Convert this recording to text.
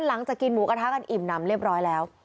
หลังจากกินหมูกระทะกันอิ่มน้ำเรียบร้อยแล้ว